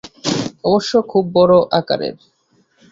অবশ্যই খুব বড় আকারের।